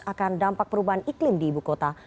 akan dampak perubahan iklim di ibu kota